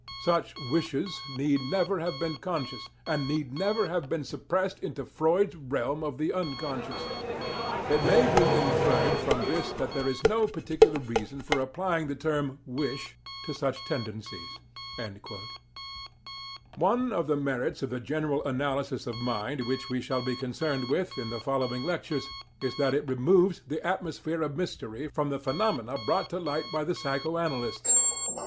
Such 'wishes' need never have been 'conscious,' and NEED NEVER HAVE BEEN SUPPRESSED INTO FREUD'S REALM OF THE UNCONSCIOUS. It may be inferred from this that there is no particular reason for applying the term 'wish' to such tendencies"(p. 485). One of the merits of the general analysis of mind which we shall be concerned with in the following lectures is that it removes the atmosphere of mystery from the phenomena brought to light by the psycho analysts.